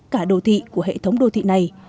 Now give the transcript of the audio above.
cả đô thị của hệ thống đô thị này